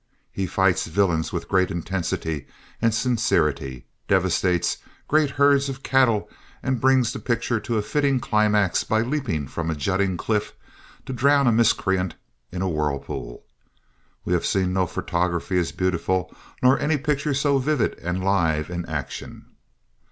He fights villains with great intensity and sincerity, devastates great herds of cattle and brings the picture to a fitting climax by leaping from a jutting cliff to drown a miscreant in a whirlpool. We have seen no photography as beautiful nor any picture so vivid and live in action.